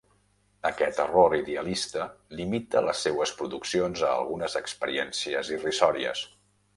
Aquest error idealista limita les seues produccions a algunes experiències irrisòries.